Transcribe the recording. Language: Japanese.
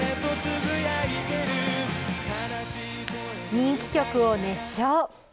人気曲を熱唱。